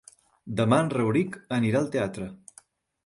Demà en Rauric anirà al teatre.